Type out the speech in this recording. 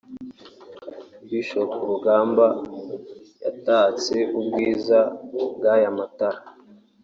Bishop Rugamba yatatse ubwiza bw’aya matara